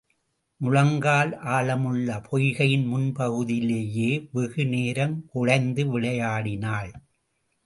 முழங்கால் ஆழமுள்ள பொய்கையின் முன்பகுதியிலேயே வெகு நேரம் குழைந்து விளையாடினாள்.